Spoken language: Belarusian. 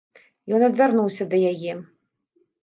Ён адвярнуўся да яе.